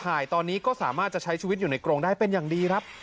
หายตอนนี้ก็สามารถจะใช้ชีวิตอยู่ในกรงได้เป็นอย่างดีครับ